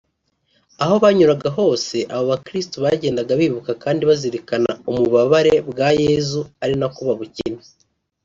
Aho banyuraga hose abo bakirisitu bagendaga bibuka kandi bazirikana umubabare bwa Yezu ari nako babukina